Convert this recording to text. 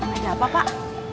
ada apa pak